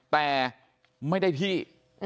แต่ไม่ได้ที่